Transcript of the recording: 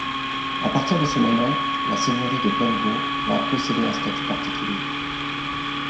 À partir de ce moment, la seigneurie de Plainevaux va posséder un statut particulier.